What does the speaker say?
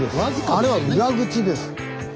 あれは裏口です。